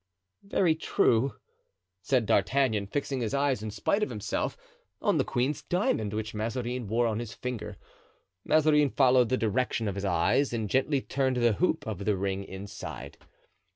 "Very true," said D'Artagnan, fixing his eyes, in spite of himself, on the queen's diamond, which Mazarin wore on his finger. Mazarin followed the direction of his eyes and gently turned the hoop of the ring inside.